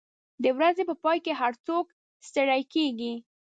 د ورځې په پای کې هر څوک ستړي کېږي.